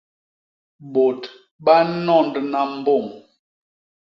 Bôt ba nnondna mbôñ.